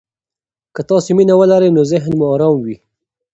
که تاسي مینه ولرئ، نو ذهن مو ارام وي.